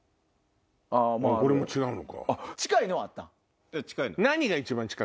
これも違うのか。